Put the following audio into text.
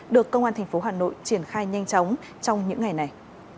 được công an thành phố hà nội triển khai nhanh chóng trong những ngày này